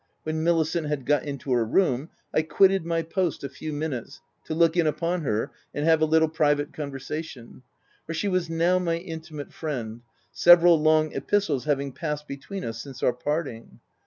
When Milicent had got into her room, I quitted my post a few minutes, to look in upon her and have a little private con versation, for she was now my intimate friend, several long epistles having passed between us since our parting.